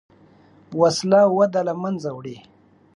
وسله وده له منځه وړي